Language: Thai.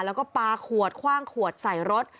แล้วก็ปลาขวดคว่างขวดใส่รถ